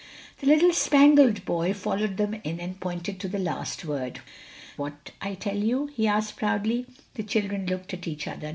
The little Spangled Boy had followed them in and pointed to the last word. "What I tell you?" he asked proudly. The children looked at each other.